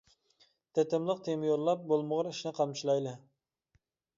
تېتىملىق تىيما يوللاپ، بولمىغۇر ئىشنى قامچىلايلى.